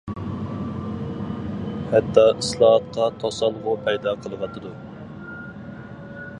ھەتتا ئىسلاھاتقا توسالغۇ پەيدا قىلىۋاتىدۇ.